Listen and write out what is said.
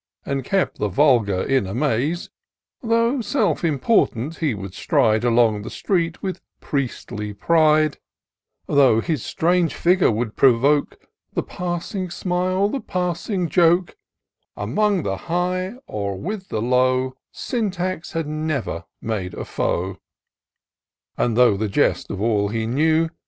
And kept the vulgar in amaze ; Though self important he would stride Along the street with priestly pride ; Though his strange figure would provoke The passing smile, the passing joke ; Among the high, or with the low, Syntax had never made a foe ; And, though the jest of all he knew.